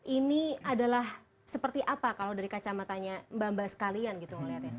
ini adalah seperti apa kalau dari kacamatanya mbak mbak sekalian gitu ngeliatnya